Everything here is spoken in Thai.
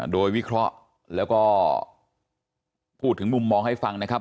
โดยวิเคราะห์แล้วก็พูดถึงมุมมองให้ฟังนะครับ